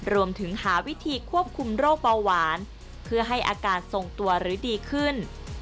รวมถึงหาวิธีควบคุมโรคเบาหวานเพื่อให้อาการทรงตัวหรือดีขึ้น